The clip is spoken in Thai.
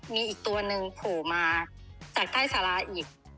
มีอีกตัวหนึ่งโผล่มาจากใต้สาราอีก